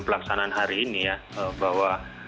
pelaksanaan hari ini ya bahwa